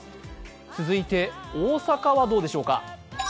続いて大阪はどうでしょうか。